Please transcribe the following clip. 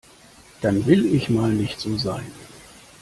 Dann will ich mal nicht so sein.